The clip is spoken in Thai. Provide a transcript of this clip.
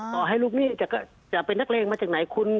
ต่อให้ลูกหนี้จะเป็นนักเลงมาจากไหนคุณ